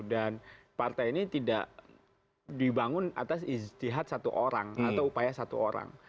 dan partai ini tidak dibangun atas izdihad satu orang atau upaya satu orang